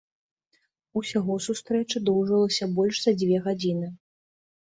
Усяго сустрэча доўжылася больш за дзве гадзіны.